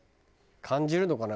感じるのかな？